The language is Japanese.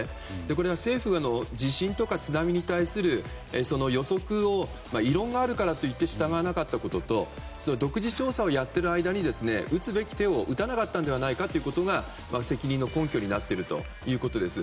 これは政府が地震や津波に対する予測を異論があるからといって従わなかったことと独自調査をやっている間に打つべき手を打たなかったのではないかということが責任の根拠になっているということです。